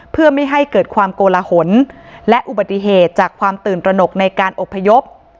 เพื่อไม่ให้เกิดความโกลหนและอุบัติเหตุจากความตื่นตระหนกในการอบพยพ